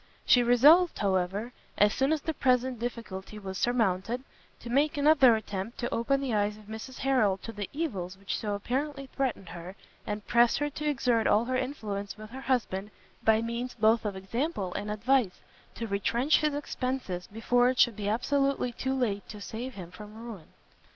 She resolved, however, as soon as the present difficulty was surmounted, to make another attempt to open the eyes of Mrs Harrel to the evils which so apparently threatened her, and press her to exert all her influence with her husband, by means both of example and advice, to retrench his expences before it should be absolutely too late to save him from ruin.